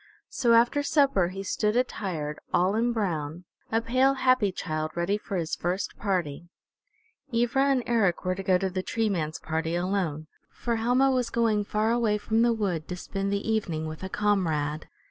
So after supper he stood attired, all in brown, a pale, happy child, ready for his first party. Ivra and Eric were to go to the Tree Man's party alone, for Helma was going far away from the wood to spend the evening with a comrade.